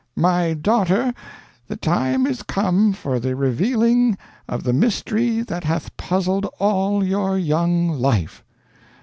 "My daughter, the time is come for the revealing of the mystery that hath puzzled all your young life.